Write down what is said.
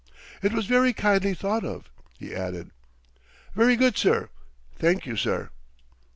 "It was very kindly thought of," he added. "Very good, sir, thank you, sir."